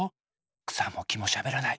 くさもきもしゃべらない。